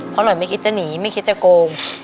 เพราะหน่อยไม่คิดจะหนีไม่คิดจะโกง